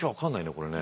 これね。